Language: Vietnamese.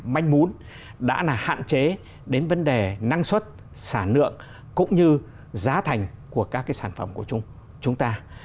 manh mún đã hạn chế đến vấn đề năng suất sản lượng cũng như giá thành của các cái sản phẩm của chúng ta